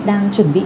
đang chuẩn bị